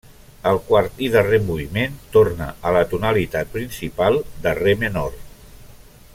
El quart i darrer moviment torna a la tonalitat principal de re menor.